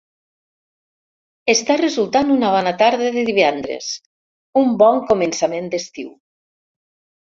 Està resultant una bona tarda de divendres; un bon començament d'estiu.